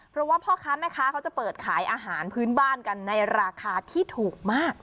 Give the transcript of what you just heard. เพราะว่าพ่อค้าแม่ค้าเขาจะเปิดขายอาหารพื้นบ้านกันในราคาที่ถูกมาก